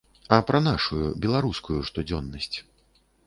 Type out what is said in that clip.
А пра нашую, беларускую, штодзённасць.